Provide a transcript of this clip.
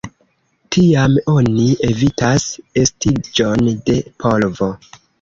Tiam oni evitas estiĝon de polvo.